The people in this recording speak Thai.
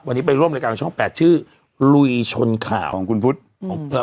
วันนี้ไปร่วมรายการช่องแปดชื่อลุยชนข่าวของคุณพุทธของเรา